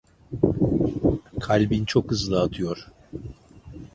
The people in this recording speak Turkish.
Kalbin çok hızlı atıyor.